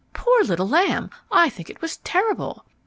"Poor little lamb, I think it was terrible."